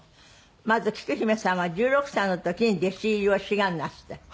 まずきく姫さんは１６歳の時に弟子入りを志願なすった。